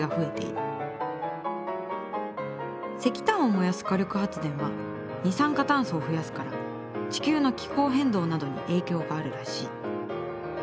石炭を燃やす火力発電は二酸化炭素を増やすから地球の気候変動などに影響があるらしい。